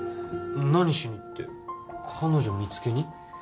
何しにって彼女見つけに？